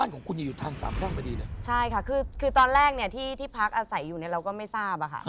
คุณอานาเชิญครับเชิญครับ